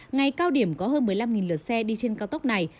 ngày cao điểm có hơn một mươi năm lượt xe đi trên cao tốc này